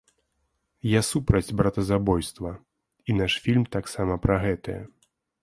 Я супраць братазабойства, і наш фільм таксама пра гэтае.